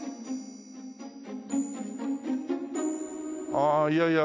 ああいやいや